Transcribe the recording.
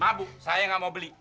mabuk saya nggak mau beli